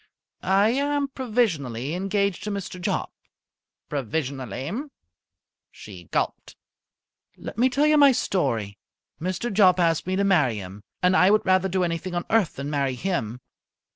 "I am provisionally engaged to Mr. Jopp." "Provisionally?" She gulped. "Let me tell you my story. Mr. Jopp asked me to marry him, and I would rather do anything on earth than marry him.